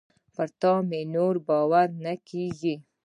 پر تا مي نور باور نه کېږي .